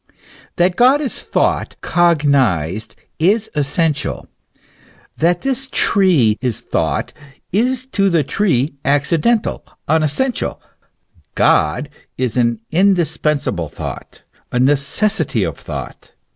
That God is thought, cognized, is essential ; that this tree is thought, is to the tree accidental, unessential. God is an indispensable thought, a necessity of thought.